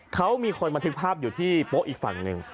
เขามีคนบันทึกภาพอยู่ที่โป๊ะอีกฝั่งหนึ่ง